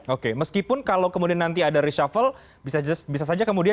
oke meskipun kalau kemudian nanti ada reshuffle bisa saja kemudian